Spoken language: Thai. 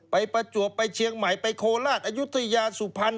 ประจวบไปเชียงใหม่ไปโคราชอายุทยาสุพรรณ